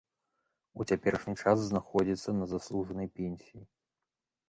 У цяперашні час знаходзіцца на заслужанай пенсіі.